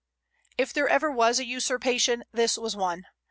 If there was ever a usurpation, this was one.